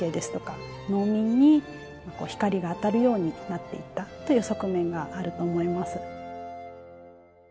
農民に光が当たるようになっていったという側面があると思います。